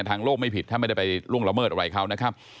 โลกไม่ผิดถ้าไม่ได้ไปล่วงละเมิดอะไรเขานะครับ